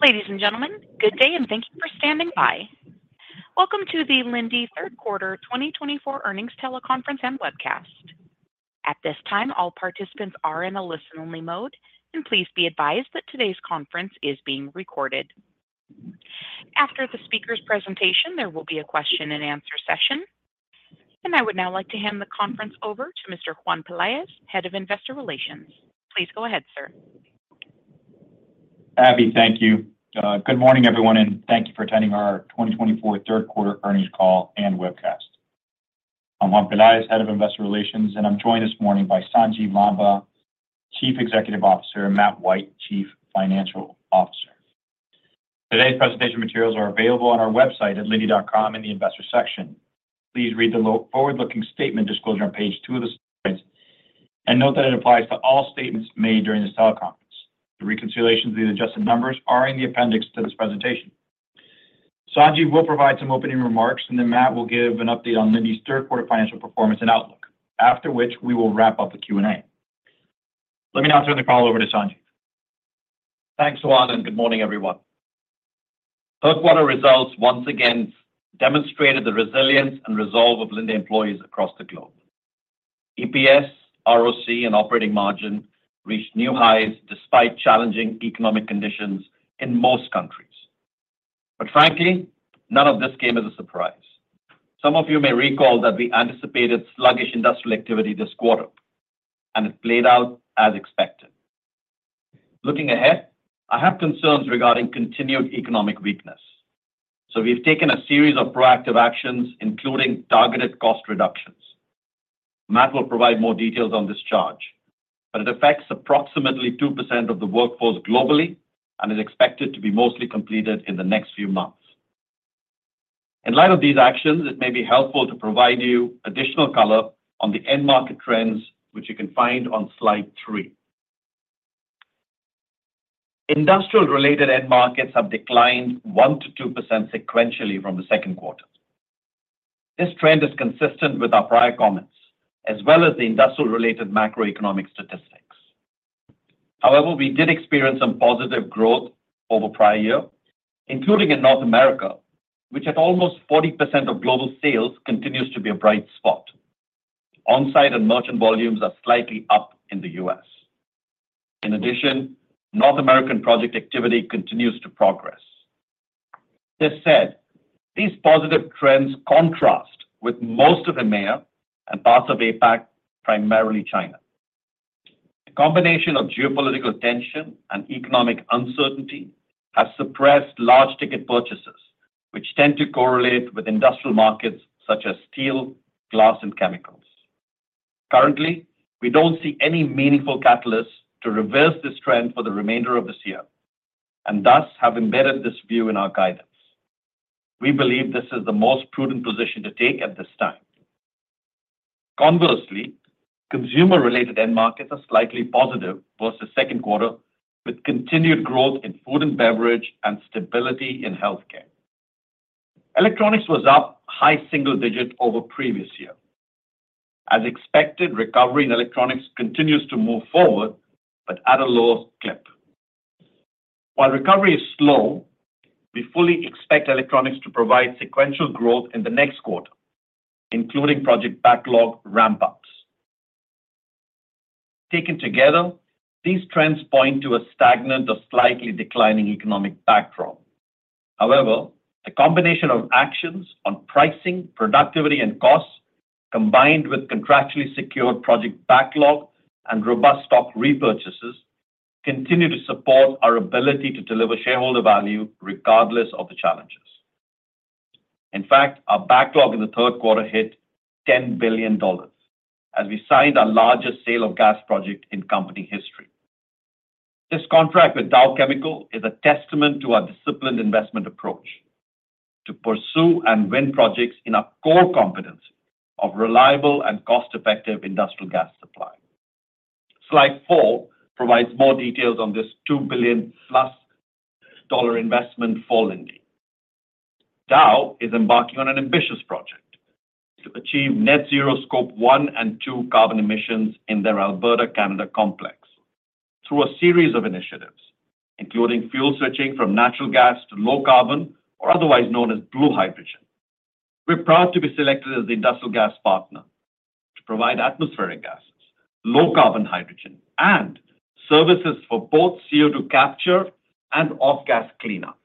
Ladies and gentlemen, good day, and thank you for standing by. Welcome to the Linde Third Quarter 2024 earnings teleconference and webcast. At this time, all participants are in a listen-only mode, and please be advised that today's conference is being recorded. After the speaker's presentation, there will be a question-and-answer session. I would now like to hand the conference over to Mr. Juan Peláez, Head of Investor Relations. Please go ahead, sir. Abby, thank you. Good morning, everyone, and thank you for attending our 2024 Third Quarter earnings call and webcast. I'm Juan Peláez, Head of Investor Relations, and I'm joined this morning by Sanjiv Lamba, Chief Executive Officer, and Matt White, Chief Financial Officer. Today's presentation materials are available on our website at linde.com in the Investor section. Please read the forward-looking statement disclosure on page two of the slides and note that it applies to all statements made during this teleconference. The reconciliations of the adjusted numbers are in the appendix to this presentation. Sanjiv will provide some opening remarks, and then Matt will give an update on Linde's third quarter financial performance and outlook, after which we will wrap up the Q&A. Let me now turn the call over to Sanjiv. Thanks, Juan Peláez, and good morning, everyone. Third Quarter results once again demonstrated the resilience and resolve of Linde employees across the globe. EPS, ROC, and operating margin reached new highs despite challenging economic conditions in most countries, but frankly, none of this came as a surprise. Some of you may recall that we anticipated sluggish industrial activity this quarter, and it played out as expected. Looking ahead, I have concerns regarding continued economic weakness, so we've taken a series of proactive actions, including targeted cost reductions. Matt will provide more details on this charge, but it affects approximately 2% of the workforce globally and is expected to be mostly completed in the next few months. In light of these actions, it may be helpful to provide you additional color on the end market trends, which you can find on slide three. Industrial-related end markets have declined 1%-2% sequentially from the second quarter. This trend is consistent with our prior comments, as well as the industrial-related macroeconomic statistics. However, we did experience some positive growth over the prior year, including in North America, which at almost 40% of global sales continues to be a bright spot. Onsite and merchant volumes are slightly up in the U.S. In addition, North American project activity continues to progress. This said, these positive trends contrast with most of EMEA and parts of APAC, primarily China. A combination of geopolitical tension and economic uncertainty has suppressed large-ticket purchases, which tend to correlate with industrial markets such as steel, glass, and chemicals. Currently, we don't see any meaningful catalysts to reverse this trend for the remainder of this year, and thus have embedded this view in our guidance. We believe this is the most prudent position to take at this time. Conversely, consumer-related end markets are slightly positive versus second quarter, with continued growth in food and beverage and stability in healthcare. Electronics was up high single digit over previous year. As expected, recovery in electronics continues to move forward, but at a lower clip. While recovery is slow, we fully expect electronics to provide sequential growth in the next quarter, including project backlog ramp-ups. Taken together, these trends point to a stagnant or slightly declining economic backdrop. However, the combination of actions on pricing, productivity, and costs, combined with contractually secured project backlog and robust stock repurchases, continue to support our ability to deliver shareholder value regardless of the challenges. In fact, our backlog in the third quarter hit $10 billion as we signed our largest sale of gas project in company history. This contract with Dow Chemical is a testament to our disciplined investment approach to pursue and win projects in our core competency of reliable and cost-effective industrial gas supply. Slide four provides more details on this $2 billion plus investment for Linde. Dow is embarking on an ambitious project to achieve net zero Scope 1 and 2 carbon emissions in their Alberta, Canada complex through a series of initiatives, including fuel switching from natural gas to low carbon, or otherwise known as blue hydrogen. We're proud to be selected as the industrial gas partner to provide atmospheric gases, low carbon hydrogen, and services for both CO2 capture and off-gas cleanup.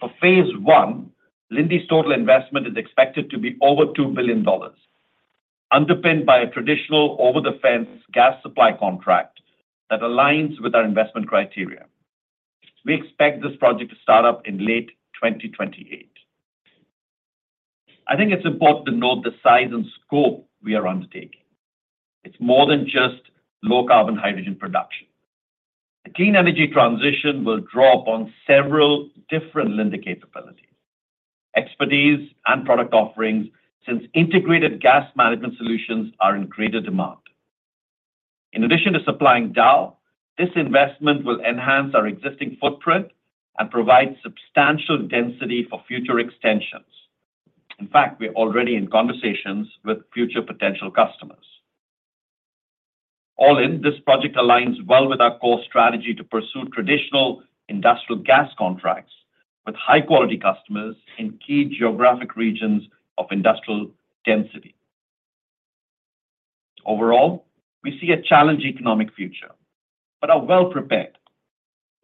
For phase one, Linde's total investment is expected to be over $2 billion, underpinned by a traditional over-the-fence gas supply contract that aligns with our investment criteria. We expect this project to start up in late 2028. I think it's important to note the size and scope we are undertaking. It's more than just low carbon hydrogen production. The clean energy transition will draw upon several different Linde capabilities, expertise, and product offerings since integrated gas management solutions are in greater demand. In addition to supplying Dow, this investment will enhance our existing footprint and provide substantial density for future extensions. In fact, we're already in conversations with future potential customers. All in, this project aligns well with our core strategy to pursue traditional industrial gas contracts with high-quality customers in key geographic regions of industrial density. Overall, we see a challenged economic future, but are well prepared.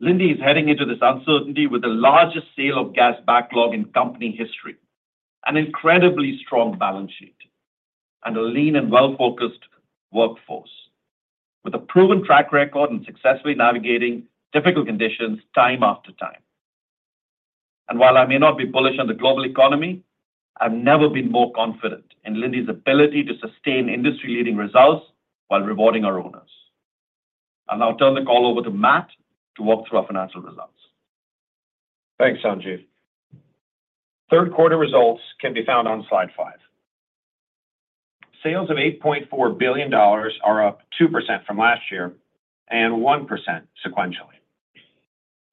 Linde is heading into this uncertainty with the largest sale of gas backlog in company history, an incredibly strong balance sheet, and a lean and well-focused workforce, with a proven track record in successfully navigating difficult conditions time after time, and while I may not be bullish on the global economy, I've never been more confident in Linde's ability to sustain industry-leading results while rewarding our owners. I'll now turn the call over to Matt to walk through our financial results. Thanks, Sanjiv. Third quarter results can be found on slide five. Sales of $8.4 billion are up 2% from last year and 1% sequentially.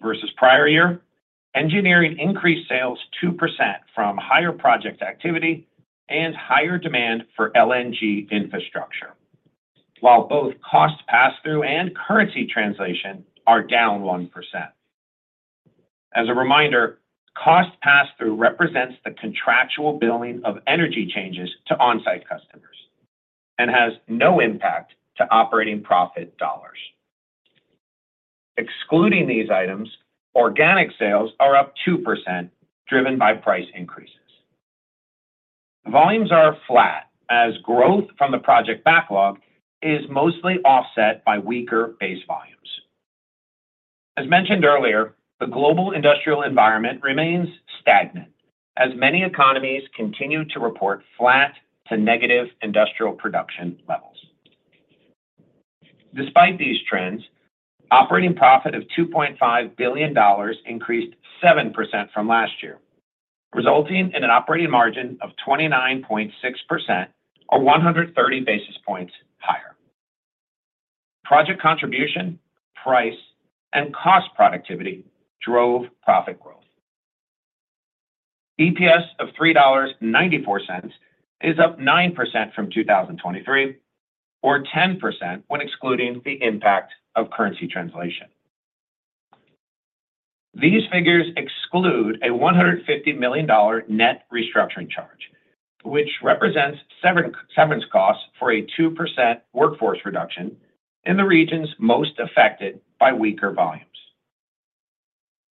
Versus prior year, engineering increased sales 2% from higher project activity and higher demand for LNG infrastructure, while both cost pass-through and currency translation are down 1%. As a reminder, cost pass-through represents the contractual billing of energy changes to on-site customers and has no impact to operating profit dollars. Excluding these items, organic sales are up 2%, driven by price increases. Volumes are flat as growth from the project backlog is mostly offset by weaker base volumes. As mentioned earlier, the global industrial environment remains stagnant as many economies continue to report flat to negative industrial production levels. Despite these trends, operating profit of $2.5 billion increased 7% from last year, resulting in an operating margin of 29.6%, or 130 basis points higher. Project contribution, price, and cost productivity drove profit growth. EPS of $3.94 is up 9% from 2023, or 10% when excluding the impact of currency translation. These figures exclude a $150 million net restructuring charge, which represents severance costs for a 2% workforce reduction in the regions most affected by weaker volumes.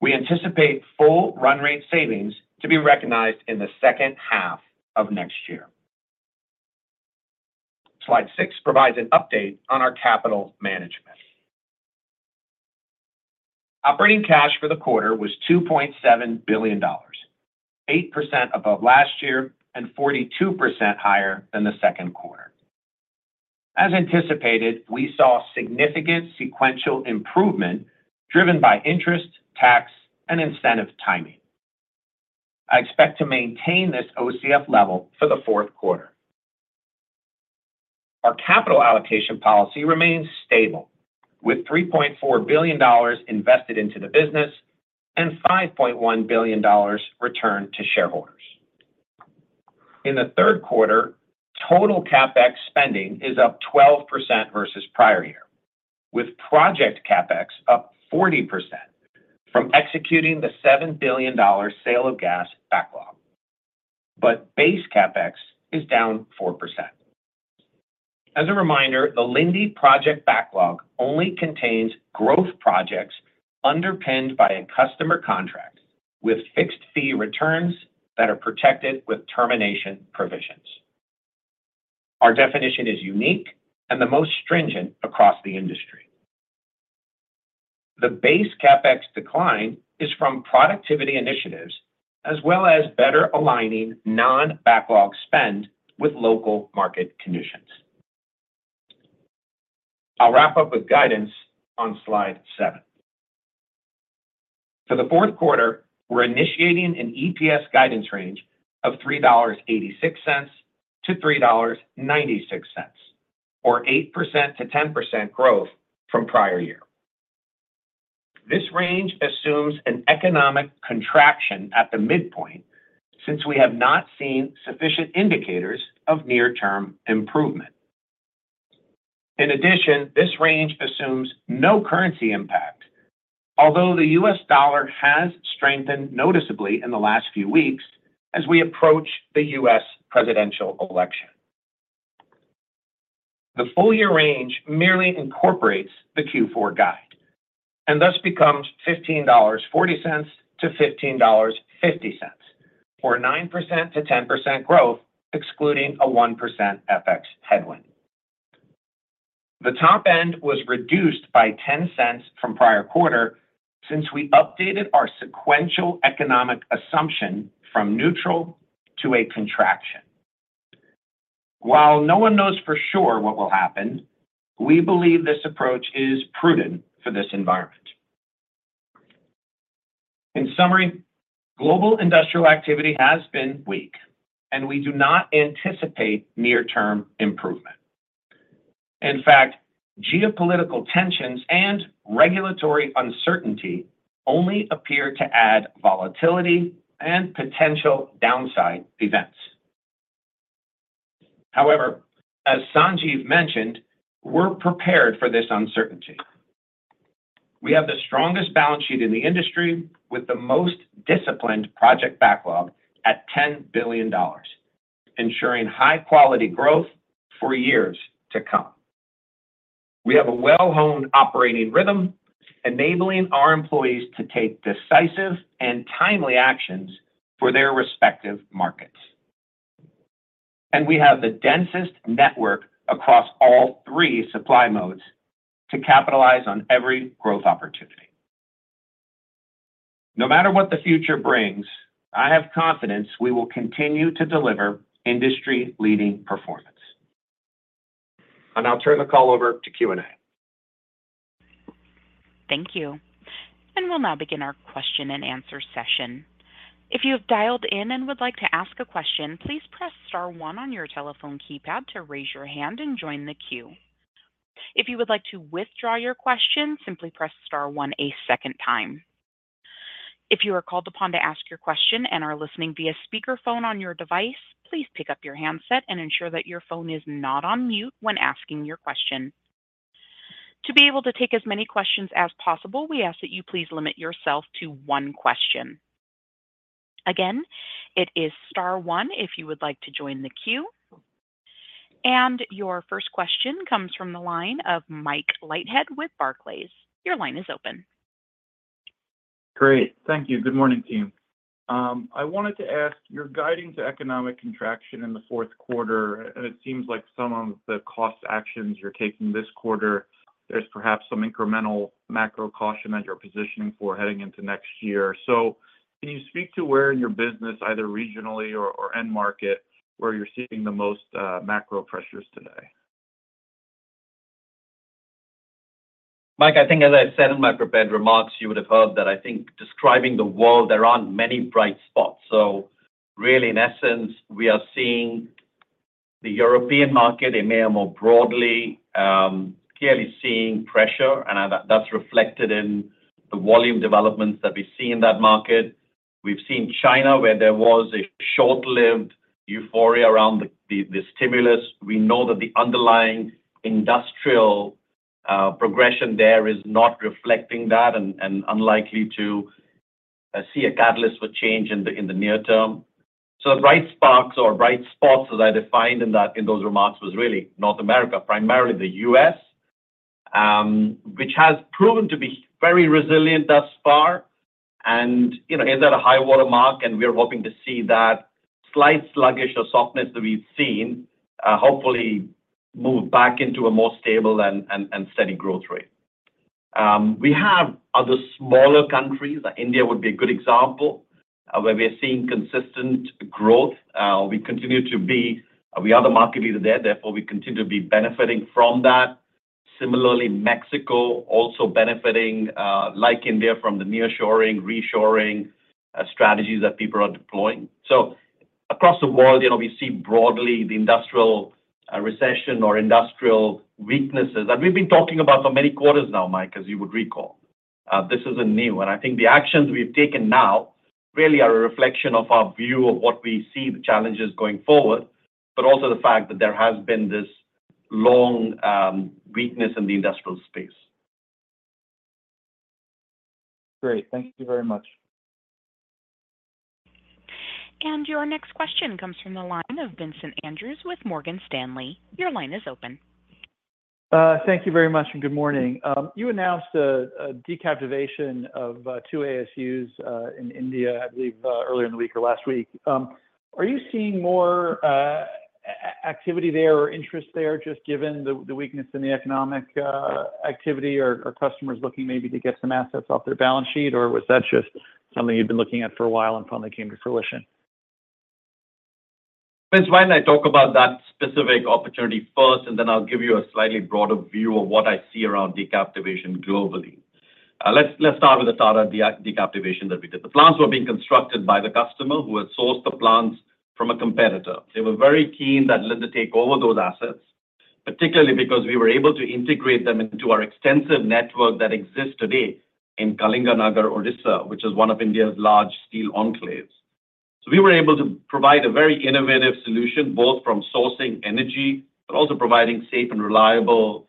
We anticipate full run rate savings to be recognized in the second half of next year. Slide six provides an update on our capital management. Operating cash for the quarter was $2.7 billion, 8% above last year and 42% higher than the second quarter. As anticipated, we saw significant sequential improvement driven by interest, tax, and incentive timing. I expect to maintain this OCF level for the fourth quarter. Our capital allocation policy remains stable, with $3.4 billion invested into the business and $5.1 billion returned to shareholders. In the third quarter, total CapEx spending is up 12% versus prior year, with project CapEx up 40% from executing the $7 billion sale of gas backlog, but base CapEx is down 4%. As a reminder, the Linde project backlog only contains growth projects underpinned by a customer contract with fixed fee returns that are protected with termination provisions. Our definition is unique and the most stringent across the industry. The base CapEx decline is from productivity initiatives as well as better aligning non-backlog spend with local market conditions. I'll wrap up with guidance on slide seven. For the fourth quarter, we're initiating an EPS guidance range of $3.86-$3.96, or 8%-10% growth from prior year. This range assumes an economic contraction at the midpoint since we have not seen sufficient indicators of near-term improvement. In addition, this range assumes no currency impact, although the U.S. dollar has strengthened noticeably in the last few weeks as we approach the U.S. presidential election. The full year range merely incorporates the Q4 guide and thus becomes $15.40-$15.50, or 9%-10% growth, excluding a 1% FX headwind. The top end was reduced by $0.10 from prior quarter since we updated our sequential economic assumption from neutral to a contraction. While no one knows for sure what will happen, we believe this approach is prudent for this environment. In summary, global industrial activity has been weak, and we do not anticipate near-term improvement. In fact, geopolitical tensions and regulatory uncertainty only appear to add volatility and potential downside events. However, as Sanjiv mentioned, we're prepared for this uncertainty. We have the strongest balance sheet in the industry with the most disciplined project backlog at $10 billion, ensuring high-quality growth for years to come. We have a well-honed operating rhythm, enabling our employees to take decisive and timely actions for their respective markets. And we have the densest network across all three supply modes to capitalize on every growth opportunity. No matter what the future brings, I have confidence we will continue to deliver industry-leading performance. And I'll turn the call over to Q&A. Thank you, and we'll now begin our question-and-answer session. If you have dialed in and would like to ask a question, please press star one on your telephone keypad to raise your hand and join the queue. If you would like to withdraw your question, simply press star one a second time. If you are called upon to ask your question and are listening via speakerphone on your device, please pick up your handset and ensure that your phone is not on mute when asking your question. To be able to take as many questions as possible, we ask that you please limit yourself to one question. Again, it is star one if you would like to join the queue, and your first question comes from the line of Michael Leithead with Barclays. Your line is open. Great. Thank you. Good morning, team. I wanted to ask, you're guiding to economic contraction in the fourth quarter, and it seems like some of the cost actions you're taking this quarter, there's perhaps some incremental macro caution that you're positioning for heading into next year. So can you speak to where in your business, either regionally or end market, where you're seeing the most macro pressures today? Mike, I think, as I said in my prepared remarks, you would have heard that I think, describing the world, there aren't many bright spots. So really, in essence, we are seeing the European market, EMEA more broadly, clearly seeing pressure, and that's reflected in the volume developments that we see in that market. We've seen China where there was a short-lived euphoria around the stimulus. We know that the underlying industrial progression there is not reflecting that and unlikely to see a catalyst for change in the near term. So the bright sparks or bright spots, as I defined in those remarks, was really North America, primarily the US, which has proven to be very resilient thus far. And is that a high-water mark? And we're hoping to see that slight sluggish or softness that we've seen hopefully move back into a more stable and steady growth rate. We have other smaller countries. India would be a good example where we're seeing consistent growth. We continue to be the other market leader there. Therefore, we continue to be benefiting from that. Similarly, Mexico also benefiting, like India, from the nearshoring, reshoring strategies that people are deploying. So across the world, we see broadly the industrial recession or industrial weaknesses that we've been talking about for many quarters now, Mike, as you would recall. This isn't new, and I think the actions we've taken now really are a reflection of our view of what we see, the challenges going forward, but also the fact that there has been this long weakness in the industrial space. Great. Thank you very much. Your next question comes from the line of Vincent Andrews with Morgan Stanley. Your line is open. Thank you very much and good morning. You announced a decaptivation of two ASUs in India, I believe, earlier in the week or last week. Are you seeing more activity there or interest there just given the weakness in the economic activity or customers looking maybe to get some assets off their balance sheet, or was that just something you've been looking at for a while and finally came to fruition? Vince, why don't I talk about that specific opportunity first, and then I'll give you a slightly broader view of what I see around decaptivation globally. Let's start with the Tata decaptivation that we did. The plants were being constructed by the customer who had sourced the plants from a competitor. They were very keen that Linde take over those assets, particularly because we were able to integrate them into our extensive network that exists today in Kalinganagar, Odisha, which is one of India's large steel enclaves, so we were able to provide a very innovative solution, both from sourcing energy but also providing safe and reliable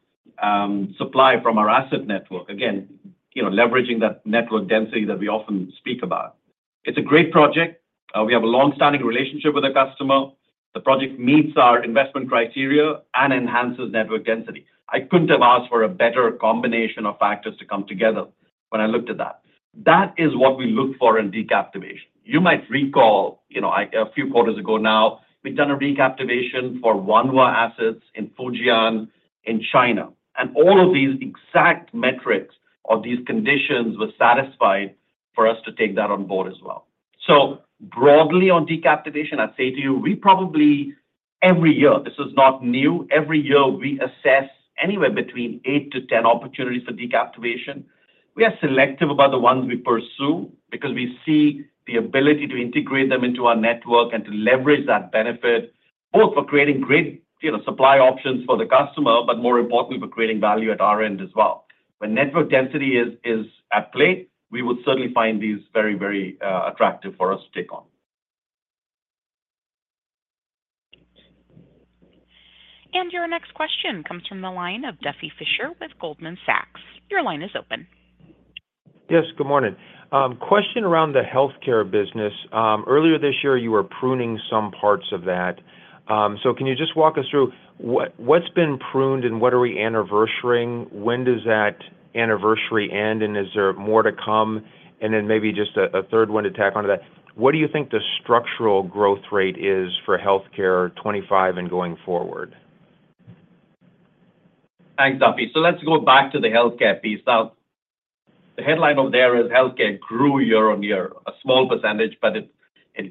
supply from our asset network, again, leveraging that network density that we often speak about. It's a great project. We have a long-standing relationship with the customer. The project meets our investment criteria and enhances network density. I couldn't have asked for a better combination of factors to come together when I looked at that. That is what we look for in decaptivation. You might recall a few quarters ago now, we've done a recaptivation for Wanhua assets in Fujian, China. And all of these exact metrics of these conditions were satisfied for us to take that on board as well. So broadly on decaptivation, I'd say to you, we probably every year, this is not new, every year we assess anywhere between 8-10 opportunities for decaptivation. We are selective about the ones we pursue because we see the ability to integrate them into our network and to leverage that benefit, both for creating great supply options for the customer, but more importantly, for creating value at our end as well. When network density is at play, we would certainly find these very, very attractive for us to take on. And your next question comes from the line of Duffy Fischer with Goldman Sachs. Your line is open. Yes, good morning. Question around the healthcare business. Earlier this year, you were pruning some parts of that. So can you just walk us through what's been pruned and what are we anniversarying? When does that anniversary end, and is there more to come? And then maybe just a third one to tack on to that. What do you think the structural growth rate is for healthcare 2025 and going forward? Thanks, Duffy. So let's go back to the healthcare piece. Now, the headline over there is healthcare grew year on year, a small percentage, but it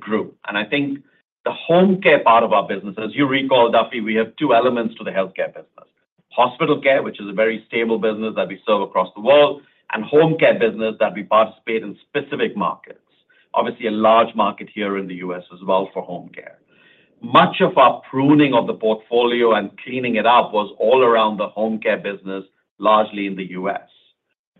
grew, and I think the home care part of our business, as you recall, Duffy, we have two elements to the healthcare business: hospital care, which is a very stable business that we serve across the world, and home care business that we participate in specific markets. Obviously, a large market here in the U.S. as well for home care. Much of our pruning of the portfolio and cleaning it up was all around the home care business, largely in the U.S.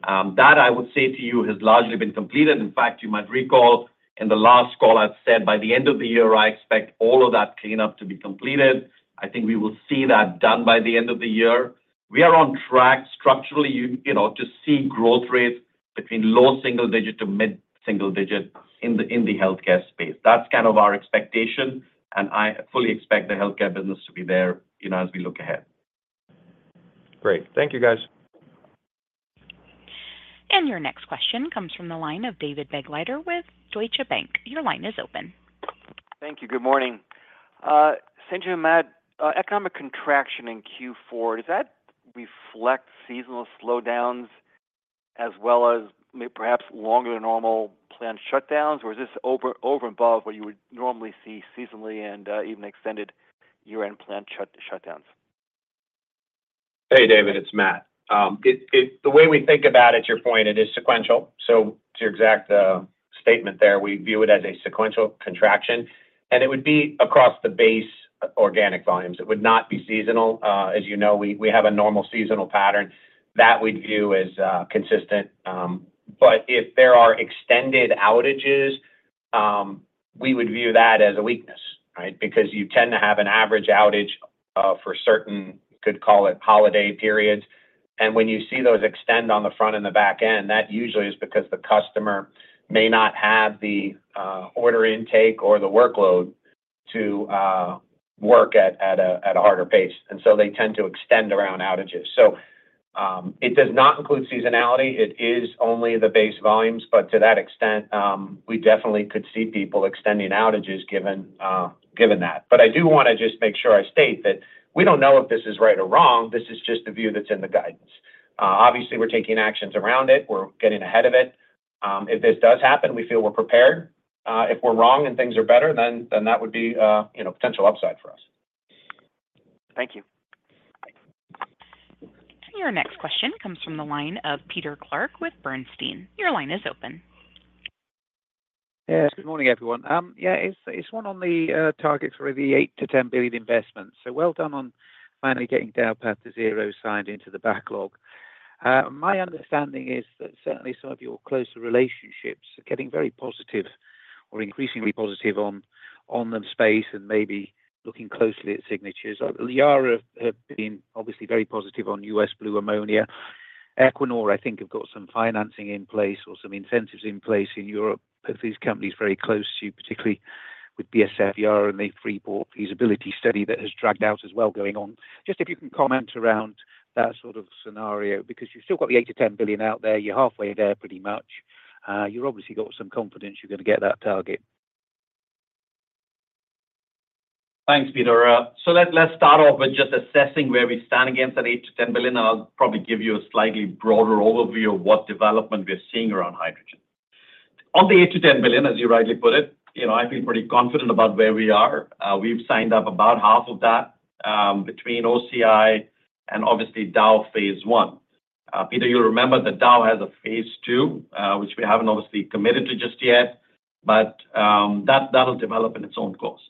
That, I would say to you, has largely been completed. In fact, you might recall in the last call I've said, by the end of the year, I expect all of that cleanup to be completed. I think we will see that done by the end of the year. We are on track structurally to see growth rates between low-single-digit to mid-single-digit in the healthcare space. That's kind of our expectation, and I fully expect the healthcare business to be there as we look ahead. Great. Thank you, guys. Your next question comes from the line of David Begleiter with Deutsche Bank. Your line is open. Thank you. Good morning. Sanjiv, Matt. Economic contraction in Q4, does that reflect seasonal slowdowns as well as perhaps longer than normal planned shutdowns, or is this over and above what you would normally see seasonally and even extended year-end planned shutdowns? Hey, David, it's Matt. The way we think about it, your point, it is sequential. To your exact statement there, we view it as a sequential contraction, and it would be across the base organic volumes. It would not be seasonal. As you know, we have a normal seasonal pattern. That we'd view as consistent. But if there are extended outages, we would view that as a weakness, right, because you tend to have an average outage for certain, you could call it holiday periods. And when you see those extend on the front and the back end, that usually is because the customer may not have the order intake or the workload to work at a harder pace. And so they tend to extend around outages. It does not include seasonality. It is only the base volumes, but to that extent, we definitely could see people extending outages given that. But I do want to just make sure I state that we don't know if this is right or wrong. This is just the view that's in the guidance. Obviously, we're taking actions around it. We're getting ahead of it. If this does happen, we feel we're prepared. If we're wrong and things are better, then that would be potential upside for us. Thank you. Your next question comes from the line of Peter Clark with Bernstein. Your line is open. Yeah. Good morning, everyone. Yeah, it's on target for the $8-$10 billion investments. So well done on finally getting Dow net zero signed into the backlog. My understanding is that certainly some of your closer relationships are getting very positive or increasingly positive on the space and maybe looking closely at signatures. Yara have been obviously very positive on U.S. blue ammonia. Equinor, I think, have got some financing in place or some incentives in place in Europe. Both these companies are very close to you, particularly with BASF, Yara and the Freeport feasibility study that has dragged out as well going on. Just if you can comment around that sort of scenario because you've still got the $8-$10 billion out there. You're halfway there pretty much. You've obviously got some confidence you're going to get that target. Thanks, Peter. So let's start off with just assessing where we stand against that $8-$10 billion. I'll probably give you a slightly broader overview of what development we're seeing around hydrogen. On the $8-$10 billion, as you rightly put it, I feel pretty confident about where we are. We've signed up about half of that between OCI and obviously Dow Phase One. Peter, you'll remember that Dow has a Phase Two, which we haven't obviously committed to just yet, but that'll develop in its own course.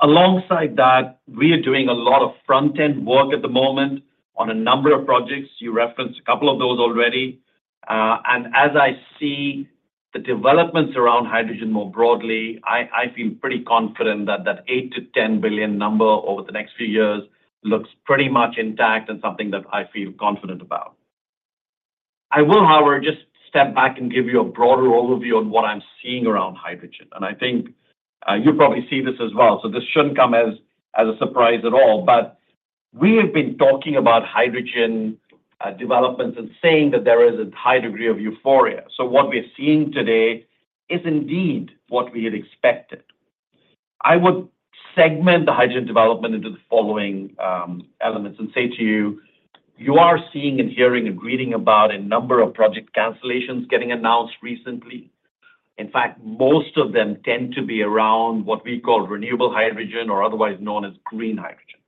Alongside that, we are doing a lot of front-end work at the moment on a number of projects. You referenced a couple of those already. As I see the developments around hydrogen more broadly, I feel pretty confident that that $8 billion-$10 billion number over the next few years looks pretty much intact and something that I feel confident about. I will, however, just step back and give you a broader overview of what I'm seeing around hydrogen. I think you probably see this as well. This shouldn't come as a surprise at all. We have been talking about hydrogen developments and saying that there is a high degree of euphoria. What we're seeing today is indeed what we had expected. I would segment the hydrogen development into the following elements and say to you, you are seeing and hearing and reading about a number of project cancellations getting announced recently. In fact, most of them tend to be around what we call renewable hydrogen or otherwise known as green hydrogen.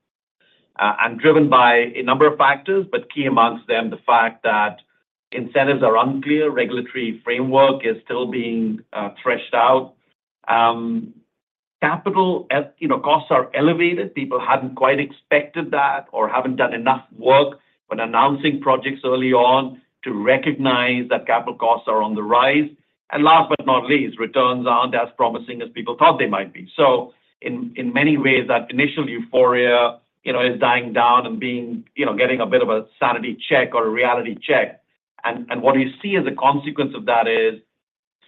I'm driven by a number of factors, but key among them the fact that incentives are unclear. Regulatory framework is still being thrashed out. Capital costs are elevated. People hadn't quite expected that or haven't done enough work when announcing projects early on to recognize that capital costs are on the rise. And last but not least, returns aren't as promising as people thought they might be. So in many ways, that initial euphoria is dying down and getting a bit of a sanity check or a reality check. And what you see as a consequence of that is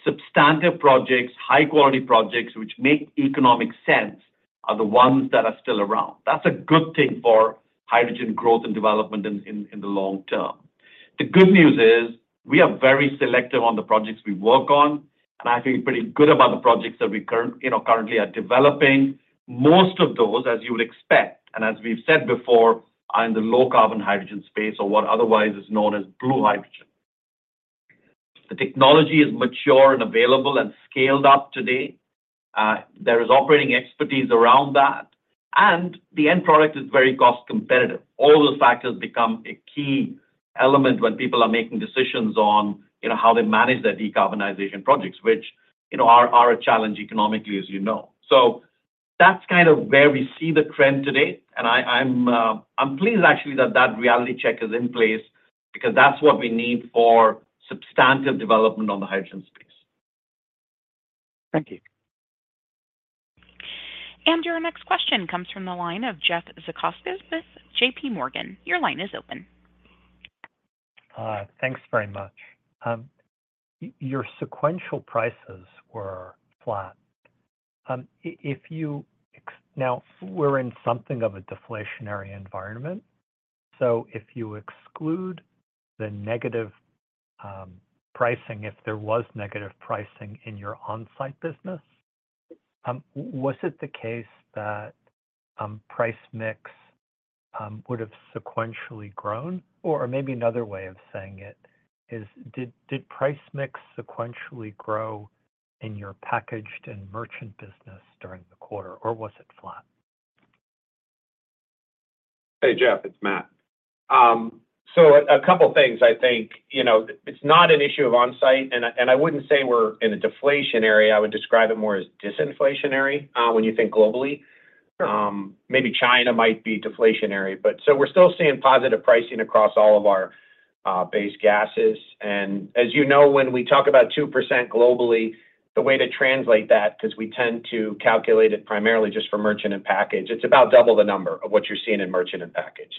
substantive projects, high-quality projects which make economic sense are the ones that are still around. That's a good thing for hydrogen growth and development in the long term. The good news is we are very selective on the projects we work on, and I feel pretty good about the projects that we currently are developing. Most of those, as you would expect and as we've said before, are in the low-carbon hydrogen space or what otherwise is known as blue hydrogen. The technology is mature and available and scaled up today. There is operating expertise around that, and the end product is very cost-competitive. All those factors become a key element when people are making decisions on how they manage their decarbonization projects, which are a challenge economically, as you know. So that's kind of where we see the trend today. And I'm pleased, actually, that that reality check is in place because that's what we need for substantive development on the hydrogen space. Thank you. Your next question comes from the line ofJeffrey Zekauskas with JP Morgan. Your line is open. Thanks very much. Your sequential prices were flat. Now, we're in something of a deflationary environment. So if you exclude the negative pricing, if there was negative pricing in your on-site business, was it the case that price mix would have sequentially grown? Or maybe another way of saying it is, did price mix sequentially grow in your packaged and merchant business during the quarter, or was it flat? Hey, Jeff, it's Matt. So a couple of things. I think it's not an issue of on-site, and I wouldn't say we're in a deflationary. I would describe it more as disinflationary when you think globally. Maybe China might be deflationary. So we're still seeing positive pricing across all of our base gases. And as you know, when we talk about 2% globally, the way to translate that, because we tend to calculate it primarily just for merchant and package, it's about double the number of what you're seeing in merchant and package.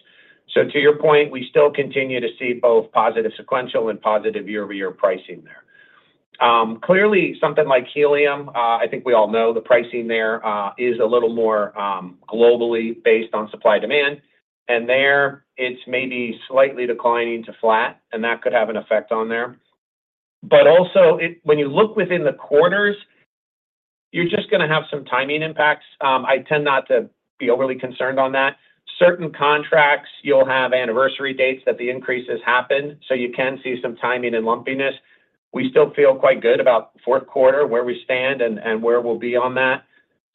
So to your point, we still continue to see both positive sequential and positive year-over-year pricing there. Clearly, something like helium, I think we all know the pricing there is a little more globally based on supply-demand. And there, it's maybe slightly declining to flat, and that could have an effect on there. But also, when you look within the quarters, you're just going to have some timing impacts. I tend not to be overly concerned on that. Certain contracts, you'll have anniversary dates that the increases happen, so you can see some timing and lumpiness. We still feel quite good about fourth quarter, where we stand and where we'll be on that.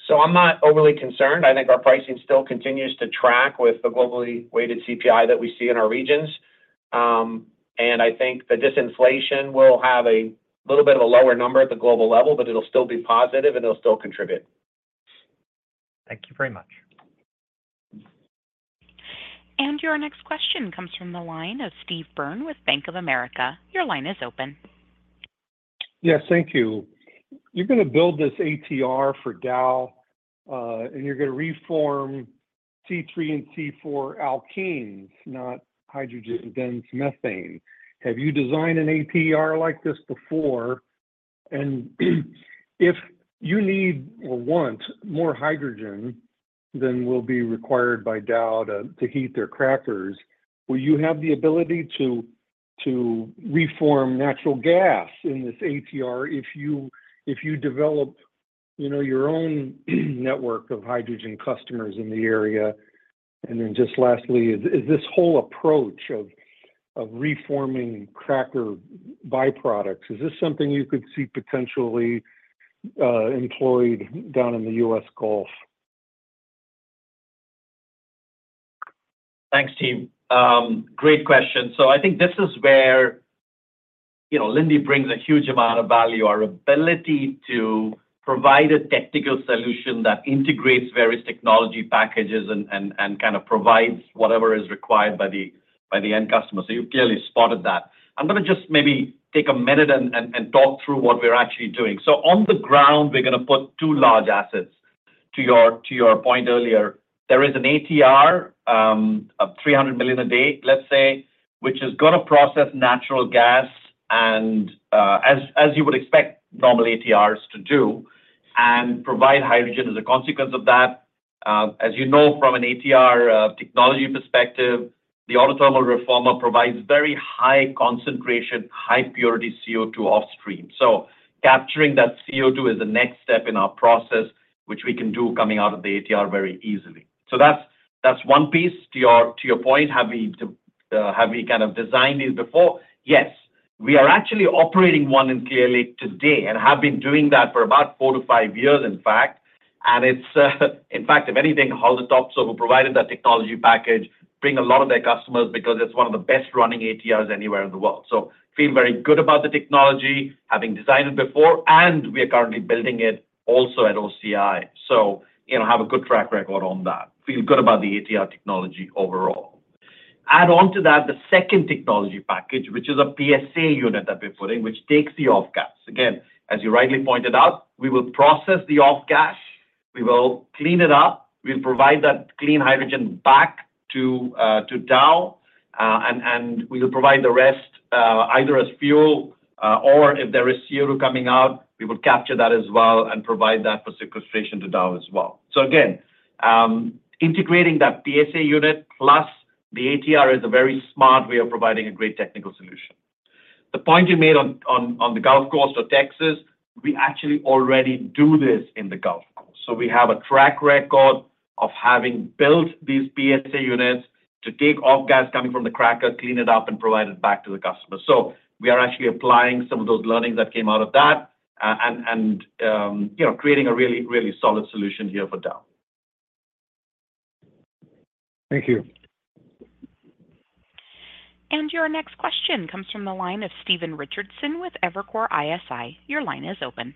So I'm not overly concerned. I think our pricing still continues to track with the globally weighted CPI that we see in our regions. And I think the disinflation will have a little bit of a lower number at the global level, but it'll still be positive, and it'll still contribute. Thank you very much. And your next question comes from the line of Steve Byrne with Bank of America. Your line is open. Yes, thank you. You're going to build this ATR for Dow, and you're going to reform C3 and C4 alkenes, not hydrogen-dense methane. Have you designed an ATR like this before? And if you need or want more hydrogen than will be required by Dow to heat their crackers, will you have the ability to reform natural gas in this ATR if you develop your own network of hydrogen customers in the area? And then just lastly, is this whole approach of reforming cracker byproducts, is this something you could see potentially employed down in the U.S. Gulf Coast? Thanks, Steve. Great question. So I think this is where Linde brings a huge amount of value, our ability to provide a technical solution that integrates various technology packages and kind of provides whatever is required by the end customer. So you've clearly spotted that. I'm going to just maybe take a minute and talk through what we're actually doing. So on the ground, we're going to put two large assets. To your point earlier, there is an ATR of 300 million a day, let's say, which is going to process natural gas, as you would expect normal ATRs to do, and provide hydrogen as a consequence of that. As you know, from an ATR technology perspective, the auto thermal reformer provides very high concentration, high-purity CO2 offstream. So capturing that CO2 is the next step in our process, which we can do coming out of the ATR very easily. So that's one piece. To your point, have we kind of designed these before? Yes. We are actually operating one in Clear Lake today and have been doing that for about four-to-five years, in fact. And in fact, if anything, Topsoe, who provided that technology package, bring a lot of their customers because it's one of the best-running ATRs anywhere in the world. So feel very good about the technology, having designed it before, and we are currently building it also at OCI. So have a good track record on that. Feel good about the ATR technology overall. Add on to that the second technology package, which is a PSA unit that we're putting, which takes the off-gas. Again, as you rightly pointed out, we will process the off-gas. We will clean it up. We'll provide that clean hydrogen back to Dow, and we will provide the rest either as fuel or if there is CO2 coming out, we will capture that as well and provide that for sequestration to Dow as well. So again, integrating that PSA unit plus the ATR is a very smart way of providing a great technical solution. The point you made on the Gulf Coast or Texas, we actually already do this in the Gulf Coast. So we have a track record of having built these PSA units to take off-gas coming from the cracker, clean it up, and provide it back to the customer. So we are actually applying some of those learnings that came out of that and creating a really, really solid solution here for Dow. Thank you. Your next question comes from the line of Stephen Richardson with Evercore ISI. Your line is open.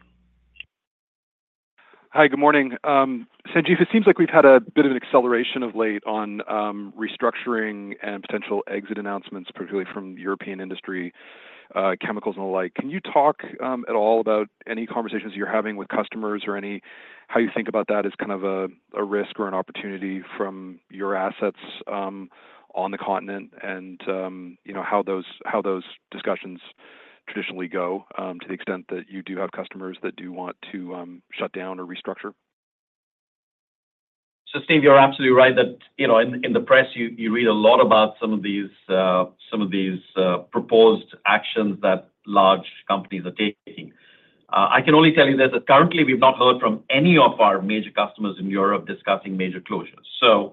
Hi, good morning. Sanjiv, it seems like we've had a bit of an acceleration of late on restructuring and potential exit announcements, particularly from European industry chemicals and the like. Can you talk at all about any conversations you're having with customers or how you think about that as kind of a risk or an opportunity from your assets on the continent and how those discussions traditionally go to the extent that you do have customers that do want to shut down or restructure? So, Steve, you're absolutely right that in the press, you read a lot about some of these proposed actions that large companies are taking. I can only tell you this, that currently, we've not heard from any of our major customers in Europe discussing major closures.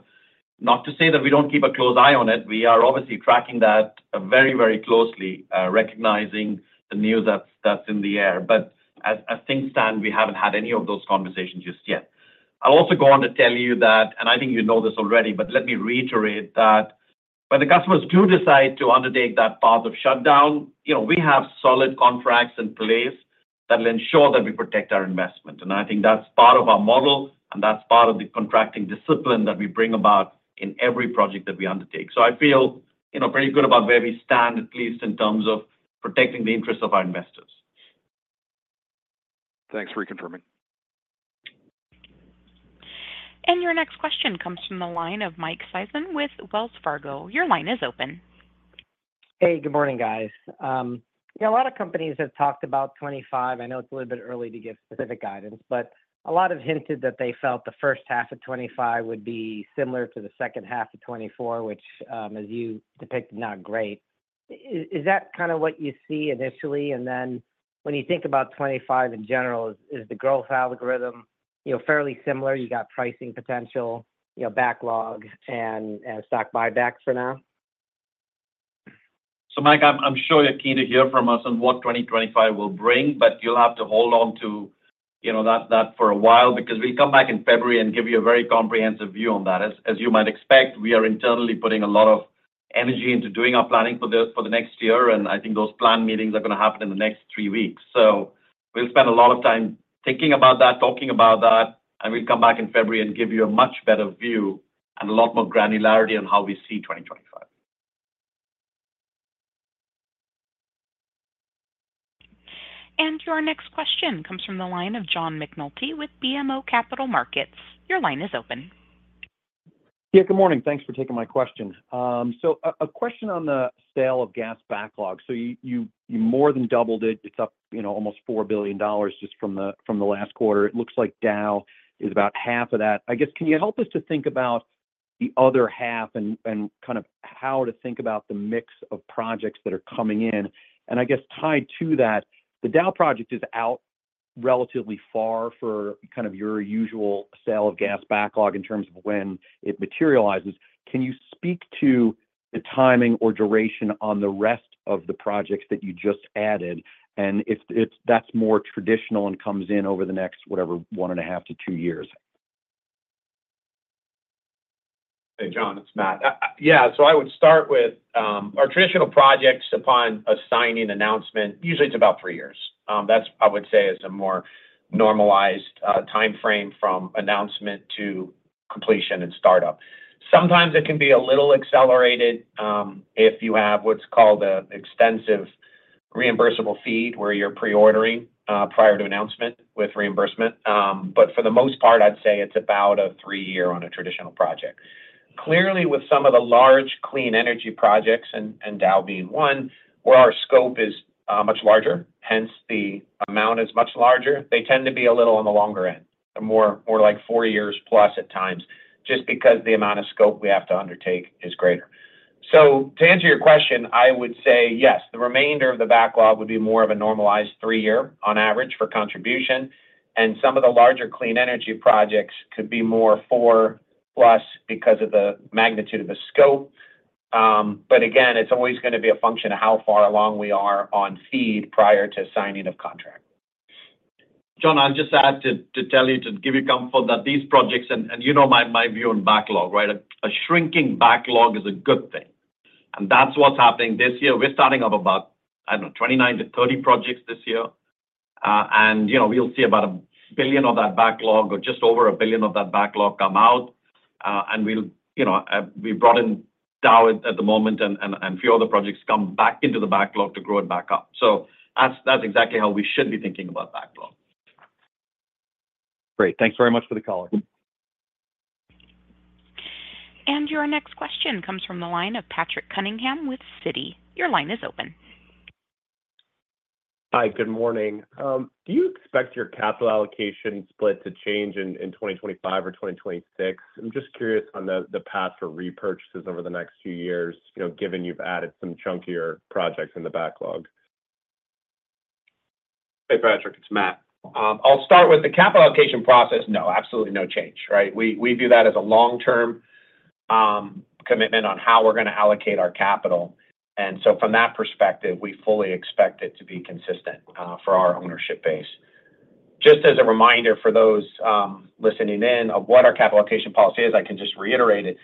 So not to say that we don't keep a close eye on it. We are obviously tracking that very, very closely, recognizing the news that's in the air. But as things stand, we haven't had any of those conversations just yet. I'll also go on to tell you that, and I think you know this already, but let me reiterate that when the customers do decide to undertake that path of shutdown, we have solid contracts in place that will ensure that we protect our investment. And I think that's part of our model, and that's part of the contracting discipline that we bring about in every project that we undertake. So I feel pretty good about where we stand, at least in terms of protecting the interests of our investors. Thanks for reconfirming. Your next question comes from the line of Mike Sison with Wells Fargo. Your line is open. Hey, good morning, guys. A lot of companies have talked about 2025. I know it's a little bit early to give specific guidance, but a lot have hinted that they felt the first half of 2025 would be similar to the second half of 2024, which, as you depicted, not great. Is that kind of what you see initially? And then when you think about 2025 in general, is the growth algorithm fairly similar? You've got pricing potential, backlog, and stock buybacks for now? So, Mike, I'm sure you're keen to hear from us on what 2025 will bring, but you'll have to hold on to that for a while because we'll come back in February and give you a very comprehensive view on that. As you might expect, we are internally putting a lot of energy into doing our planning for the next year, and I think those plan meetings are going to happen in the next three weeks. So we'll spend a lot of time thinking about that, talking about that, and we'll come back in February and give you a much better view and a lot more granularity on how we see 2025. And your next question comes from the line of John McNulty with BMO Capital Markets. Your line is open. Yeah, good morning. Thanks for taking my question. So a question on the sale of gas backlog. So you more than doubled it. It's up almost $4 billion just from the last quarter. It looks like Dow is about half of that. I guess, can you help us to think about the other half and kind of how to think about the mix of projects that are coming in? And I guess tied to that, the Dow project is out relatively far for kind of your usual sale of gas backlog in terms of when it materializes. Can you speak to the timing or duration on the rest of the projects that you just added and if that's more traditional and comes in over the next whatever, one and a half to two years? Hey, John, it's Matt. Yeah, so I would start with our traditional projects. Upon a signing announcement, usually it's about three years. That's, I would say, a more normalized timeframe from announcement to completion and startup. Sometimes it can be a little accelerated if you have what's called an extensive reimbursable fee where you're pre-ordering prior to announcement with reimbursement. But for the most part, I'd say it's about a three-year on a traditional project. Clearly, with some of the large clean energy projects, and Dow being one, where our scope is much larger, hence the amount is much larger, they tend to be a little on the longer end, more like four years plus at times, just because the amount of scope we have to undertake is greater. To answer your question, I would say yes, the remainder of the backlog would be more of a normalized three-year on average for contribution. And some of the larger clean energy projects could be more four plus because of the magnitude of the scope. But again, it's always going to be a function of how far along we are on FEED prior to signing of contract. John, I just had to tell you to give you comfort that these projects, and you know my view on backlog, right? A shrinking backlog is a good thing, and that's what's happening this year. We're starting off about, I don't know, 29-30 projects this year. And we'll see about $1 billion of that backlog or just over $1 billion of that backlog come out. And we brought in Dow at the moment, and a few other projects come back into the backlog to grow it back up. So that's exactly how we should be thinking about backlog. Great. Thanks very much for the call. And your next question comes from the line of Patrick Cunningham with Citi. Your line is open. Hi, good morning. Do you expect your capital allocation split to change in 2025 or 2026? I'm just curious on the path for repurchases over the next few years, given you've added some chunkier projects in the backlog. Hey, Patrick, it's Matt. I'll start with the capital allocation process. No, absolutely no change, right? We view that as a long-term commitment on how we're going to allocate our capital, and so from that perspective, we fully expect it to be consistent for our ownership base. Just as a reminder for those listening in of what our capital allocation policy is, I can just reiterate it.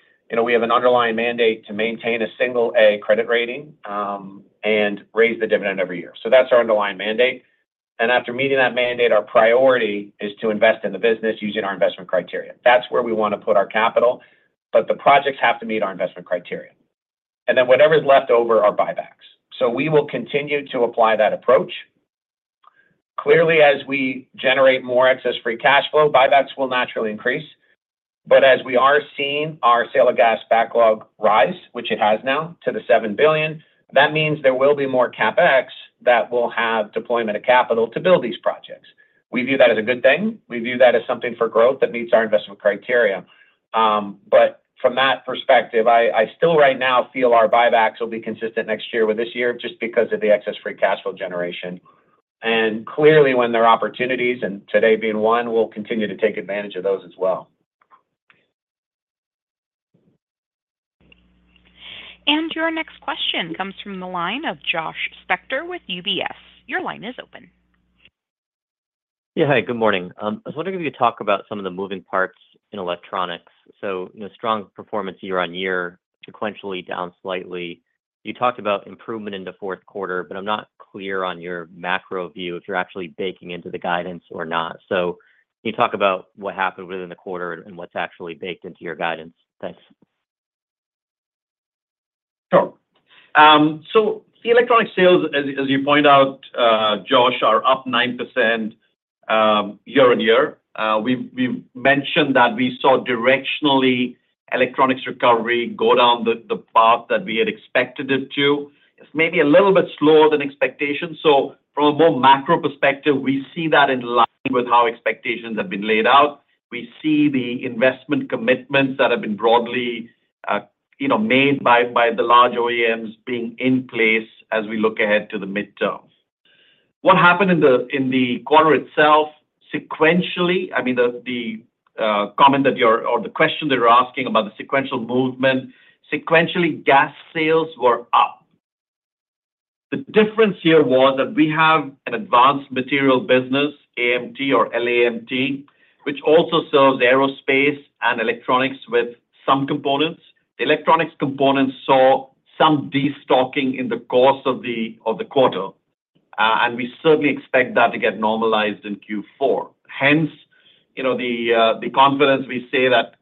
We have an underlying mandate to maintain a single A credit rating and raise the dividend every year, so that's our underlying mandate, and after meeting that mandate, our priority is to invest in the business using our investment criteria. That's where we want to put our capital, but the projects have to meet our investment criteria, and then whatever's left over are buybacks, so we will continue to apply that approach. Clearly, as we generate more excess free cash flow, buybacks will naturally increase. But as we are seeing our sale of gas backlog rise, which it has now to the $7 billion, that means there will be more CapEx that will have deployment of capital to build these projects. We view that as a good thing. We view that as something for growth that meets our investment criteria. But from that perspective, I still right now feel our buybacks will be consistent next year with this year just because of the excess free cash flow generation. And clearly, when there are opportunities, and today being one, we'll continue to take advantage of those as well. Your next question comes from the line of Josh Spector with UBS. Your line is open. Yeah, hey, good morning. I was wondering if you could talk about some of the moving parts in electronics. So strong performance year on year, sequentially down slightly. You talked about improvement in the fourth quarter, but I'm not clear on your macro view if you're actually baking into the guidance or not. So can you talk about what happened within the quarter and what's actually baked into your guidance? Thanks. Sure. So the electronics sales, as you point out, Josh, are up 9% year on year. We've mentioned that we saw directionally electronics recovery go down the path that we had expected it to. It's maybe a little bit slower than expectations. So from a more macro perspective, we see that in line with how expectations have been laid out. We see the investment commitments that have been broadly made by the large OEMs being in place as we look ahead to the midterm. What happened in the quarter itself, sequentially, I mean, the question that you're asking about the sequential movement, sequentially gas sales were up. The difference here was that we have an advanced material business, AMT or LAMT, which also serves aerospace and electronics with some components. The electronics components saw some destocking in the course of the quarter. And we certainly expect that to get normalized in Q4. Hence, the confidence we say that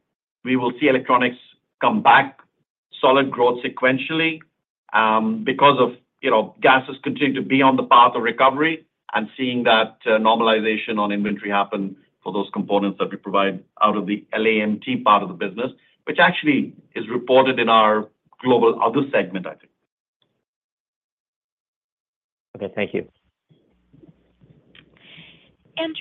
we will see electronics come back, solid growth sequentially because of gases continuing to be on the path of recovery and seeing that normalization on inventory happen for those components that we provide out of the LAMT part of the business, which actually is reported in our global other segment, I think. Okay, thank you.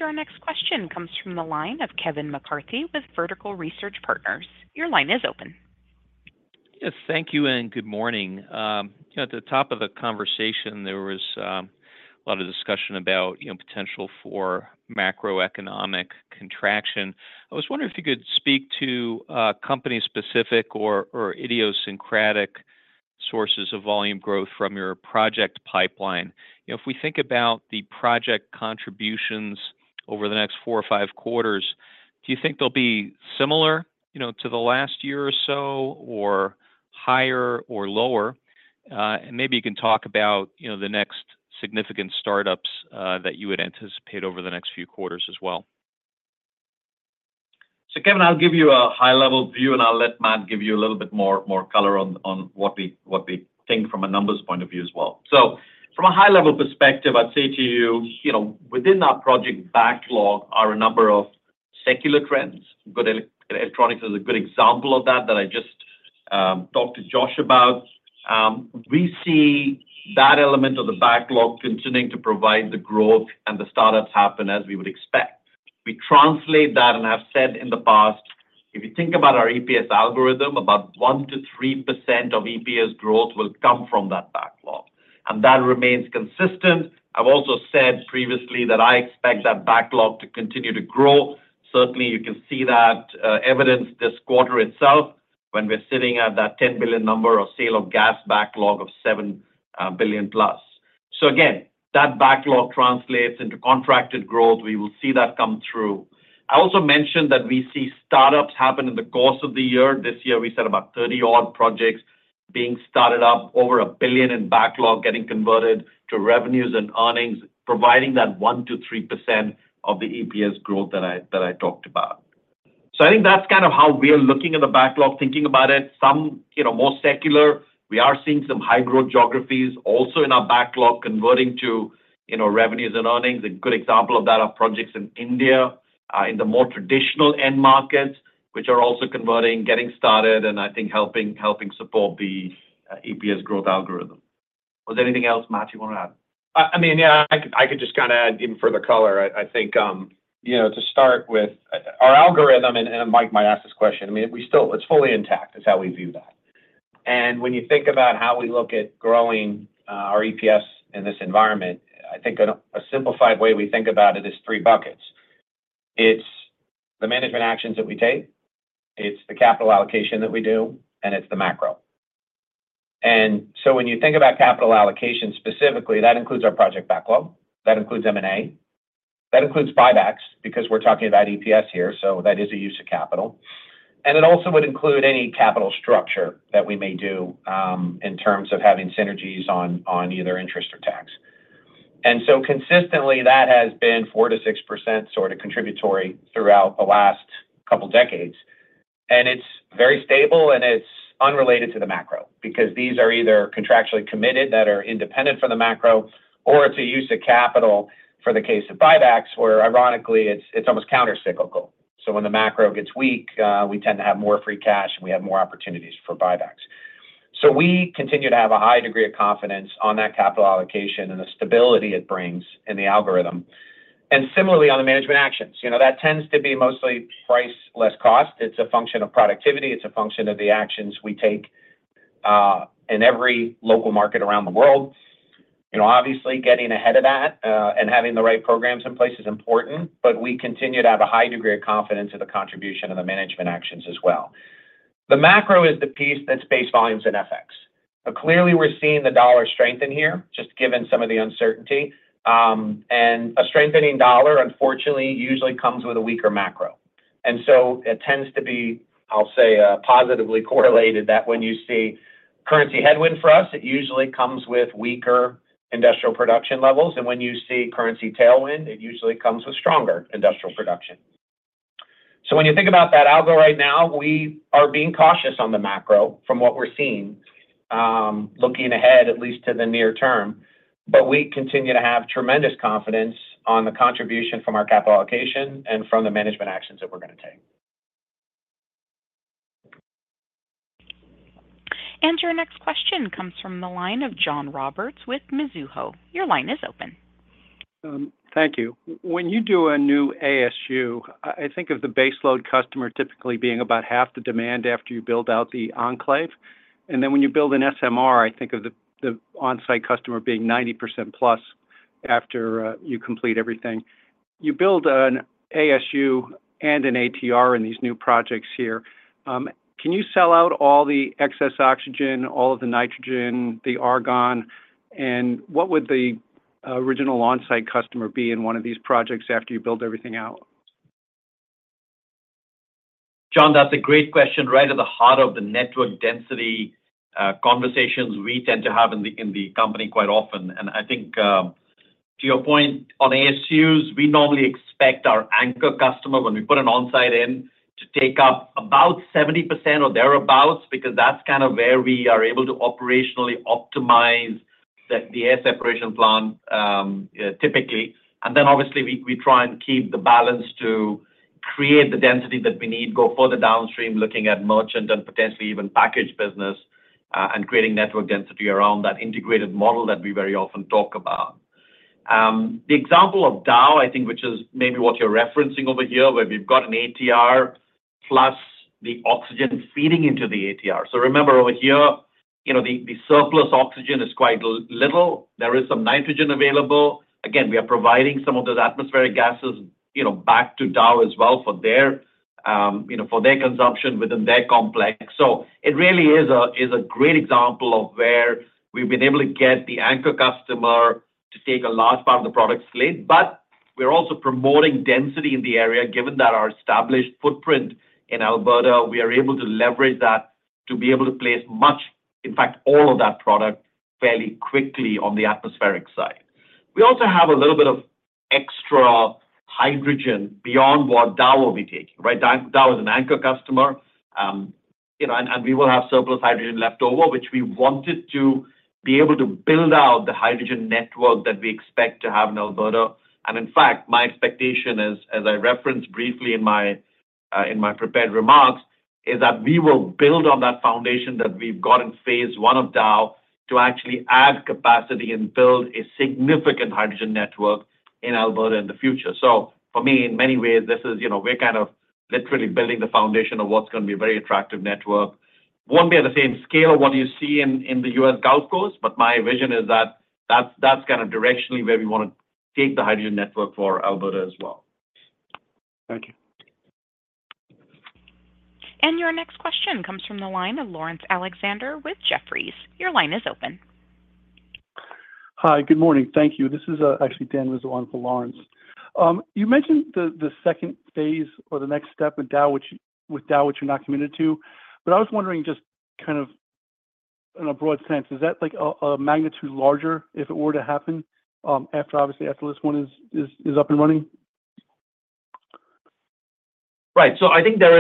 Your next question comes from the line of Kevin McCarthy with Vertical Research Partners. Your line is open. Yes, thank you and good morning. At the top of the conversation, there was a lot of discussion about potential for macroeconomic contraction. I was wondering if you could speak to company-specific or idiosyncratic sources of volume growth from your project pipeline. If we think about the project contributions over the next four or five quarters, do you think they'll be similar to the last year or so or higher or lower? and maybe you can talk about the next significant startups that you would anticipate over the next few quarters as well. Kevin, I'll give you a high-level view, and I'll let Matt give you a little bit more color on what we think from a numbers point of view as well. From a high-level perspective, I'd say to you, within that project backlog are a number of secular trends. Electronics is a good example of that I just talked to Josh about. We see that element of the backlog continuing to provide the growth, and the startups happen as we would expect. We translate that and have said in the past, if you think about our EPS algorithm, about 1%-3% of EPS growth will come from that backlog. And that remains consistent. I've also said previously that I expect that backlog to continue to grow. Certainly, you can see that evidence this quarter itself when we're sitting at that $10 billion number of sale of gas backlog of $7 billion plus. So again, that backlog translates into contracted growth. We will see that come through. I also mentioned that we see startups happen in the course of the year. This year, we said about 30-odd projects being started up, over $1 billion in backlog getting converted to revenues and earnings, providing that 1%-3% of the EPS growth that I talked about. So I think that's kind of how we're looking at the backlog, thinking about it. Some more secular, we are seeing some high-growth geographies also in our backlog converting to revenues and earnings. A good example of that are projects in India, in the more traditional end markets, which are also converting, getting started, and I think helping support the EPS growth algorithm. Was there anything else, Matt, you want to add? I mean, yeah, I could just kind of add in further color. I think to start with, our analysts and Mike might ask this question. I mean, it's fully intact is how we view that. When you think about how we look at growing our EPS in this environment, I think a simplified way we think about it is three buckets. It's the management actions that we take. It's the capital allocation that we do, and it's the macro. When you think about capital allocation specifically, that includes our project backlog. That includes M&A. That includes buybacks because we're talking about EPS here, so that is a use of capital. It also would include any capital structure that we may do in terms of having synergies on either interest or tax. And so consistently, that has been 4%-6% sort of contributory throughout the last couple of decades. And it's very stable, and it's unrelated to the macro because these are either contractually committed that are independent from the macro, or it's a use of capital for the case of buybacks where, ironically, it's almost countercyclical. So when the macro gets weak, we tend to have more free cash, and we have more opportunities for buybacks. So we continue to have a high degree of confidence on that capital allocation and the stability it brings in the algorithm. And similarly, on the management actions, that tends to be mostly price less cost. It's a function of productivity. It's a function of the actions we take in every local market around the world. Obviously, getting ahead of that and having the right programs in place is important, but we continue to have a high degree of confidence in the contribution of the management actions as well. The macro is the piece that's based on volumes and FX. But clearly, we're seeing the dollar strengthen here, just given some of the uncertainty. And a strengthening dollar, unfortunately, usually comes with a weaker macro. And so it tends to be, I'll say, positively correlated that when you see currency headwind for us, it usually comes with weaker industrial production levels. And when you see currency tailwind, it usually comes with stronger industrial production. So when you think about that algo right now, we are being cautious on the macro from what we're seeing, looking ahead at least to the near term. But we continue to have tremendous confidence on the contribution from our capital allocation and from the management actions that we're going to take. Your next question comes from the line of John Roberts with Mizuho. Your line is open. Thank you. When you do a new ASU, I think of the base load customer typically being about half the demand after you build out the enclave. And then when you build an SMR, I think of the on-site customer being 90% plus after you complete everything. You build an ASU and an ATR in these new projects here. Can you sell out all the excess oxygen, all of the nitrogen, the argon? And what would the original on-site customer be in one of these projects after you build everything out? John, that's a great question right at the heart of the network density conversations we tend to have in the company quite often. And I think to your point on ASUs, we normally expect our anchor customer, when we put an onsite in, to take up about 70% or thereabouts because that's kind of where we are able to operationally optimize the air separation plant typically. And then, obviously, we try and keep the balance to create the density that we need, go further downstream looking at merchant and potentially even package business and creating network density around that integrated model that we very often talk about. The example of Dow, I think, which is maybe what you're referencing over here, where we've got an ATR plus the oxygen feeding into the ATR. So remember, over here, the surplus oxygen is quite little. There is some nitrogen available. Again, we are providing some of those atmospheric gases back to Dow as well for their consumption within their complex. So it really is a great example of where we've been able to get the anchor customer to take a large part of the product slate. But we're also promoting density in the area. Given that our established footprint in Alberta, we are able to leverage that to be able to place much, in fact, all of that product fairly quickly on the atmospheric side. We also have a little bit of extra hydrogen beyond what Dow will be taking, right? Dow is an anchor customer, and we will have surplus hydrogen leftover, which we wanted to be able to build out the hydrogen network that we expect to have in Alberta. And in fact, my expectation, as I referenced briefly in my prepared remarks, is that we will build on that foundation that we've got in phase one of Dow to actually add capacity and build a significant hydrogen network in Alberta in the future. So for me, in many ways, this is, we're kind of literally building the foundation of what's going to be a very attractive network. It won't be at the same scale of what you see in the US Gulf Coast, but my vision is that that's kind of directionally where we want to take the hydrogen network for Alberta as well. Thank you. Your next question comes from the line of Laurence Alexander with Jefferies. Your line is open. Hi, good morning. Thank you. This is actually Dan Rizzo for Laurence. You mentioned the second phase or the next step with Dow, which you're not committed to. But I was wondering just kind of in a broad sense, is that a magnitude larger if it were to happen after, obviously, after this one is up and running? Right. So I think there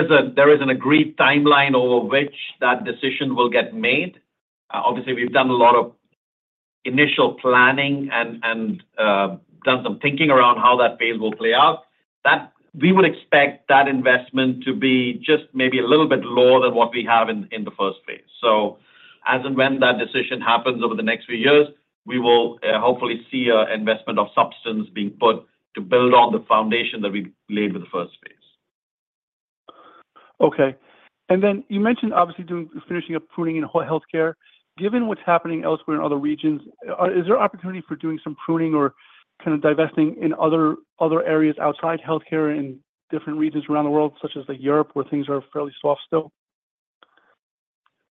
is an agreed timeline over which that decision will get made. Obviously, we've done a lot of initial planning and done some thinking around how that phase will play out. We would expect that investment to be just maybe a little bit lower than what we have in the first phase. So as and when that decision happens over the next few years, we will hopefully see an investment of substance being put to build on the foundation that we laid with the first phase. Okay, and then you mentioned, obviously, finishing up pruning in healthcare. Given what's happening elsewhere in other regions, is there opportunity for doing some pruning or kind of divesting in other areas outside healthcare in different regions around the world, such as Europe, where things are fairly soft still?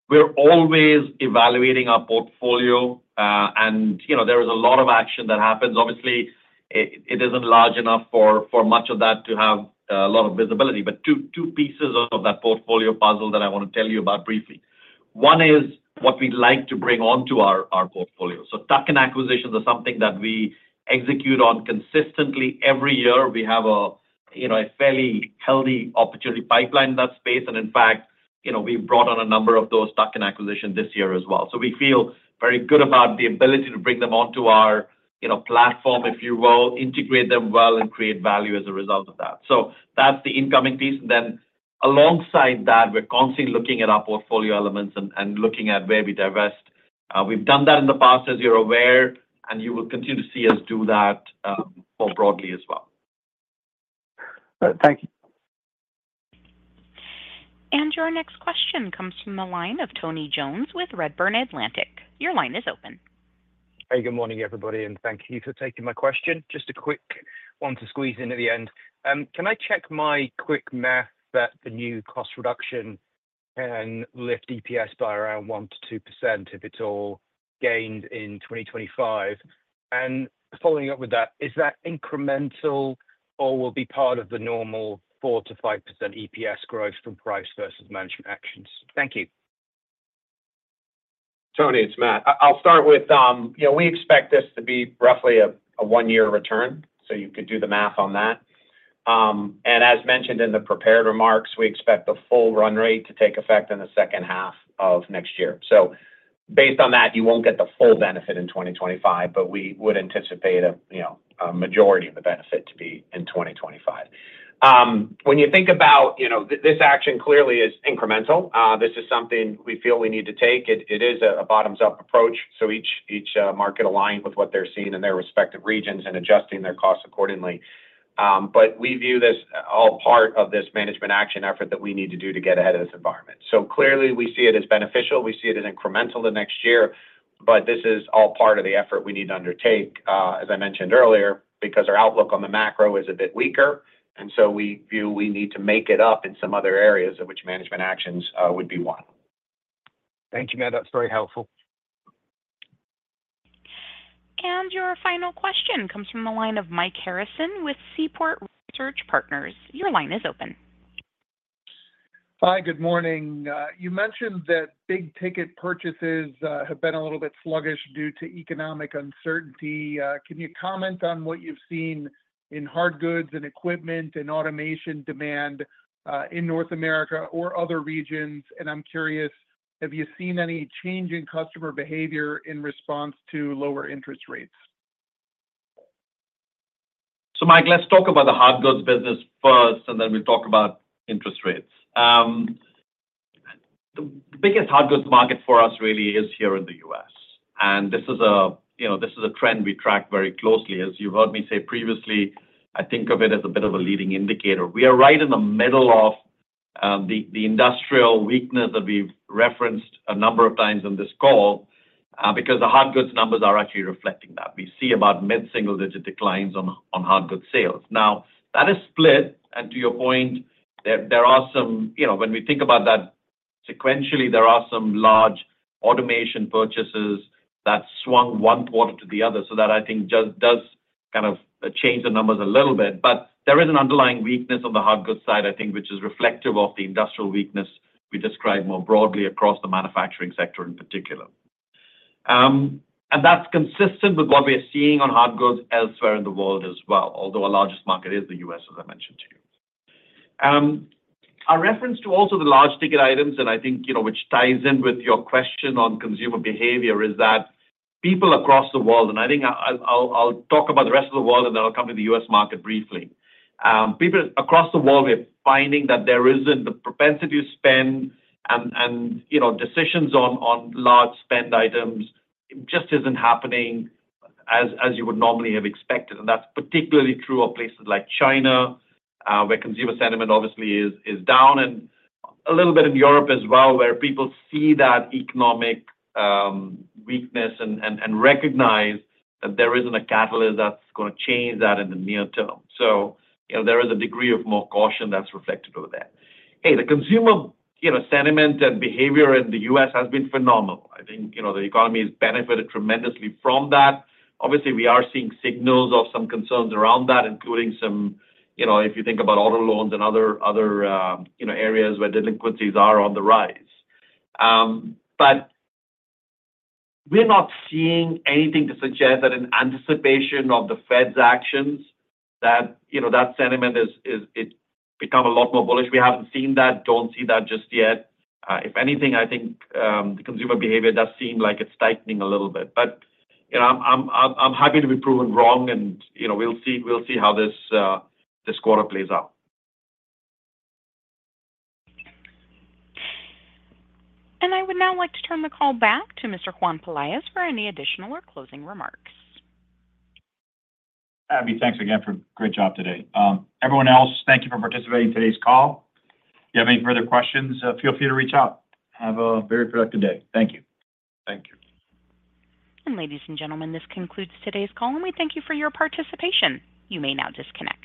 We're always evaluating our portfolio, and there is a lot of action that happens. Obviously, it isn't large enough for much of that to have a lot of visibility, but two pieces of that portfolio puzzle that I want to tell you about briefly: one is what we'd like to bring onto our portfolio, so tuck-in acquisitions are something that we execute on consistently every year. We have a fairly healthy opportunity pipeline in that space, and in fact, we've brought on a number of those tuck-in acquisitions this year as well, so we feel very good about the ability to bring them onto our platform, if you will, integrate them well, and create value as a result of that, so that's the incoming piece, and then alongside that, we're constantly looking at our portfolio elements and looking at where we divest. We've done that in the past, as you're aware, and you will continue to see us do that more broadly as well. Thank you. Your next question comes from the line of Tony Jones with Redburn Atlantic. Your line is open. Hey, good morning, everybody. And thank you for taking my question. Just a quick one to squeeze into the end. Can I check my quick math that the new cost reduction can lift EPS by around 1-2% if it's all gained in 2025? And following up with that, is that incremental or will be part of the normal 4-5% EPS growth from price versus management actions? Thank you. Tony, it's Matt. I'll start with, we expect this to be roughly a one-year return, so you could do the math on that, and as mentioned in the prepared remarks, we expect the full run rate to take effect in the second half of next year, so based on that, you won't get the full benefit in 2025, but we would anticipate a majority of the benefit to be in 2025. When you think about this action, clearly, is incremental. This is something we feel we need to take. It is a bottoms-up approach, so each market aligned with what they're seeing in their respective regions and adjusting their costs accordingly, but we view this all part of this management action effort that we need to do to get ahead of this environment, so clearly, we see it as beneficial. We see it as incremental the next year. But this is all part of the effort we need to undertake, as I mentioned earlier, because our outlook on the macro is a bit weaker. And so we view we need to make it up in some other areas of which management actions would be one. Thank you, Matt. That's very helpful. Your final question comes from the line of Mike Harrison with Seaport Research Partners. Your line is open. Hi, good morning. You mentioned that big ticket purchases have been a little bit sluggish due to economic uncertainty. Can you comment on what you've seen in hard goods and equipment and automation demand in North America or other regions, and I'm curious, have you seen any change in customer behavior in response to lower interest rates? Mike, let's talk about the hard goods business first, and then we'll talk about interest rates. The biggest hard goods market for us really is here in the U.S. This is a trend we track very closely. As you've heard me say previously, I think of it as a bit of a leading indicator. We are right in the middle of the industrial weakness that we've referenced a number of times in this call because the hard goods numbers are actually reflecting that. We see about mid-single-digit declines on hard goods sales. Now, that is split. To your point, when we think about that sequentially, there are some large automation purchases that swung one quarter to the other. That, I think, just does kind of change the numbers a little bit. But there is an underlying weakness on the hard goods side, I think, which is reflective of the industrial weakness we described more broadly across the manufacturing sector in particular. And that's consistent with what we're seeing on hard goods elsewhere in the world as well, although our largest market is the U.S., as I mentioned to you. Our reference to also the large ticket items, and I think which ties in with your question on consumer behavior, is that people across the world, and I think I'll talk about the rest of the world, and then I'll come to the U.S. market briefly. People across the world, we're finding that there isn't the propensity to spend, and decisions on large spend items just isn't happening as you would normally have expected. That's particularly true of places like China, where consumer sentiment obviously is down, and a little bit in Europe as well, where people see that economic weakness and recognize that there isn't a catalyst that's going to change that in the near term, so there is a degree of more caution that's reflected over there. Hey, the consumer sentiment and behavior in the US has been phenomenal. I think the economy has benefited tremendously from that. Obviously, we are seeing signals of some concerns around that, including some, if you think about auto loans and other areas where delinquencies are on the rise, but we're not seeing anything to suggest that in anticipation of the Fed's actions, that sentiment has become a lot more bullish. We haven't seen that, don't see that just yet. If anything, I think the consumer behavior does seem like it's tightening a little bit. But I'm happy to be proven wrong, and we'll see how this quarter plays out. I would now like to turn the call back to Mr. Juan Peláez for any additional or closing remarks. Abby, thanks again for a great job today. Everyone else, thank you for participating in today's call. If you have any further questions, feel free to reach out. Have a very productive day. Thank you. Thank you. Ladies and gentlemen, this concludes today's call, and we thank you for your participation. You may now disconnect.